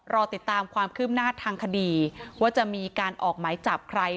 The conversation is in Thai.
รอติดตามความคืบหน้าทางคดีว่าจะมีการออกหมายจับใคร